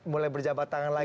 mulai berjabat tangan lagi